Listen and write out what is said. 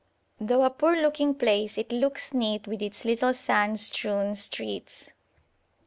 Though a poor looking place it looks neat with its little sand strewn streets.